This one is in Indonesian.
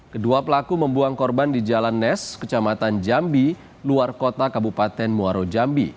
kedua pelaku membuang korban di jalan nes kecamatan jambi luar kota kabupaten muaro jambi